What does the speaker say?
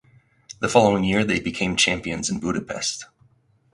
The following year they became champions in Budapest.